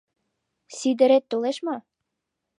Сидырет толеш мо?